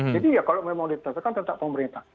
jadi ya kalau memang ditetapkan tetap pemerintah